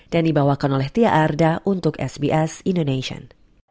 dan dibawakan oleh tia arda untuk sbs indonesian